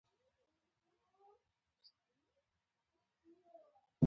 زه د یوټیوب نوې ویډیو ګورم.